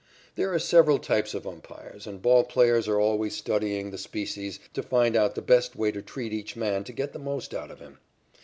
There are several types of umpires, and ball players are always studying the species to find out the best way to treat each man to get the most out of him.